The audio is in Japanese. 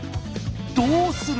どうする？